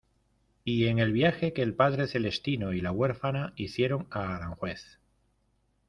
Y en el viaje que el padre celestino y la huérfana hicieron a aranjuez.